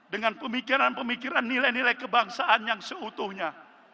dengan pemikiran pemikiran nilai nilai kebangsaan yang seutuhnya